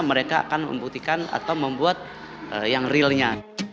mereka akan membuat yang realnya